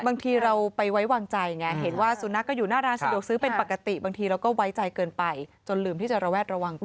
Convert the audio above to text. บางทีเราไปไว้วางใจไงเห็นว่าสุนัขก็อยู่หน้าร้านสะดวกซื้อเป็นปกติบางทีเราก็ไว้ใจเกินไปจนลืมที่จะระแวดระวังตัว